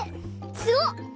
すごっ！